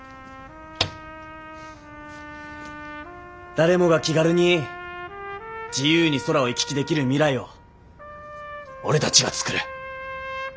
誰もが気軽に自由に空を行き来できる未来を俺たちが作る。